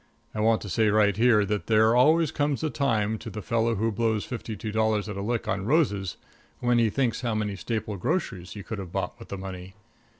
I want to say right here that there always comes a time to the fellow who blows fifty two dollars at a lick on roses when he thinks how many staple groceries he could have bought with the money.